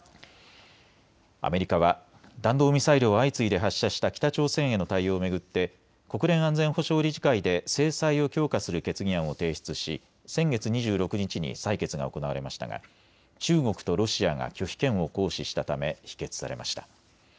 アメリカは弾道ミサイルを相次いで発射した北朝鮮への対応を巡って国連安全保障理事会で制裁を強化する決議案を提出し先月２６日に採決が行われましたが中国とロシアが拒否権を行使したため否決されました。